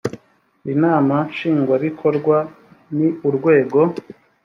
inama nshingwabikorwa ni urwego